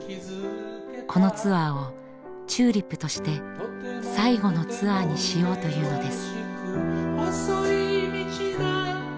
このツアーをＴＵＬＩＰとして最後のツアーにしようというのです。